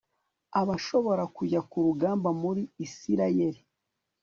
abashobora kujya ku rugamba muri Isirayeli